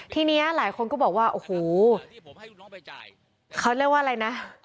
ทีนี้หลายคนก็บอกว่าโอ้โหเขาเรียกว่าอะไรนะ